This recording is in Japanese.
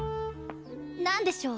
何でしょう？